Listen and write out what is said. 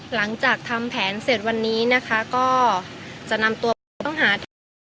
หลังจากทำแผนเสร็จวันนี้นะคะก็จะนำตัวผู้ต้องหาที่